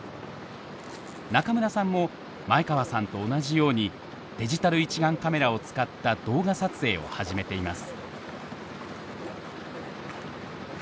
中村さんも前川さんと同じようにデジタル一眼カメラを使った動画撮影を始めています。